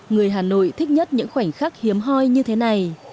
người hà nội thích nhất những khoảnh khắc hiếm hoi như thế này